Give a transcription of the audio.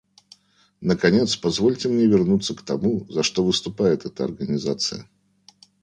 Наконец, позвольте мне вернуться к тому, за что выступает эта Организация.